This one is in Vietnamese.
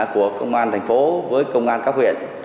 của công an thành phố với công an các huyện